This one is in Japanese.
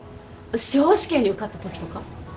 司法試験に受かったときとか？